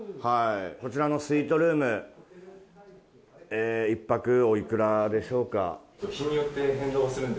こちらのスイートルーム一泊お幾らでしょうか？